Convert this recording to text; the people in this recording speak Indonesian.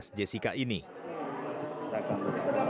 sudah semua tenang